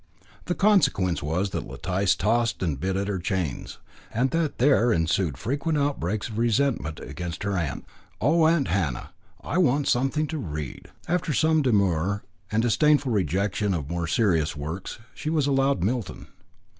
The consequence was that Letice tossed and bit at her chains, and that there ensued frequent outbreaks of resentment against her aunt. "Oh, Aunt Hannah! I want something to read." After some demur, and disdainful rejection of more serious works, she was allowed Milton.